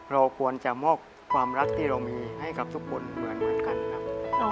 เราควรจะมอบความรักที่เรามีให้กับทุกคนเหมือนกันครับ